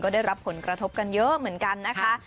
ได้รับผลกระทบกันเยอะเหมือนกันนะคะ